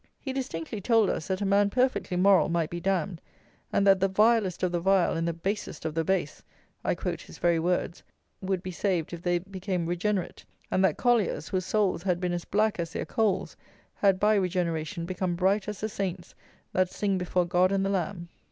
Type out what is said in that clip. He distinctly told us that a man perfectly moral might be damned; and that "the vilest of the vile and the basest of the base" (I quote his very words) "would be saved if they became regenerate; and that colliers, whose souls had been as black as their coals, had by regeneration become bright as the saints that sing before God and the Lamb."